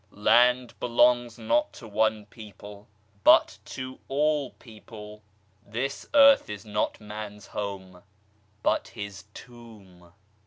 Land belongs not to one people, but to all people. This earth is not man's home, but his tomb.